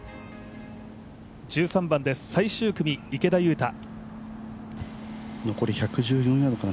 １３番です、最終組・池田勇太。